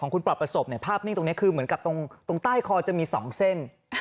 ของคุณปอดประสบเนี่ยภาพนี้ตรงเนี้ยคือเหมือนกับตรงตรงใต้คอจะมีสองเส้น